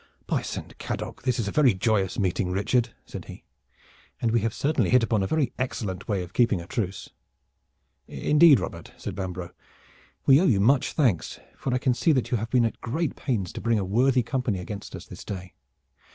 "By Saint Cadoc! this is a very joyous meeting, Richard," said he, "and we have certainly hit upon a very excellent way of keeping a truce." "Indeed, Robert," said Bambro', "we owe you much thanks, for I can see that you have been at great pains to bring a worthy company against us this day.